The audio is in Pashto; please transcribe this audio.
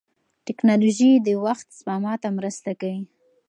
ټکنالوژي د وخت سپما ته مرسته کوي.